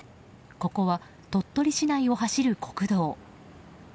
ここは鳥取市内を走る国道。